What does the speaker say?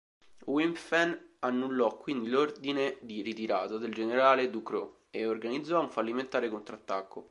Wimpffen annullò quindi l'ordine di ritirata del generale Ducrot e organizzò un fallimentare contrattacco.